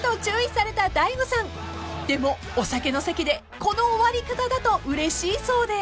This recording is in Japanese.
［でもお酒の席でこの終わり方だとうれしいそうで］